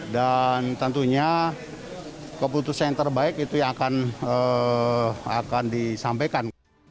dan tentunya keputusan yang terbaik itu yang akan disampaikan